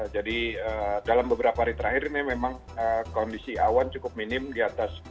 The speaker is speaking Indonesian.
jadi dalam beberapa hari terakhir ini memang kondisi awan cukup minim di atas